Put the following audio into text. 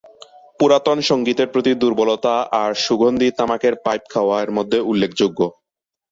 পুরাতন সঙ্গীতের প্রতি দুর্বলতা আর সুগন্ধি তামাকের পাইপ খাওয়া এর মধ্যে উল্লেখযোগ্য।